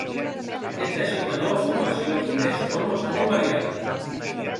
Aquest teixit de nova formació adquireix formes molt variades.